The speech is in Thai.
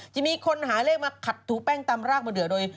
จะมีคนหาเลขมาขัดถูแป้งตำรากมาเดือโดย